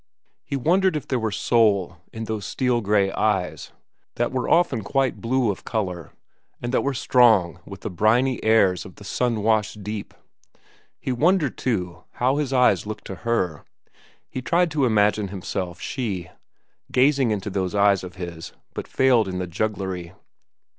He wondered if there was soul in those steel gray eyes that were often quite blue of color and that were strong with the briny airs of the sun washed deep. He wondered, also, how his eyes looked to her. He tried to imagine himself she, gazing into those eyes of his, but failed in the jugglery.